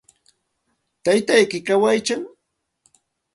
¿Taytayki kawaykan?